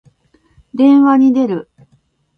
電話に出る。